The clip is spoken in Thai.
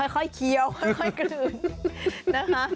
ค่อยเคี้ยวค่อยกระดื่นนะคะ